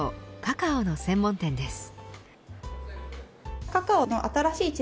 カカオの専門店です。